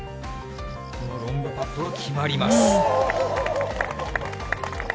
このロングパットも決まります。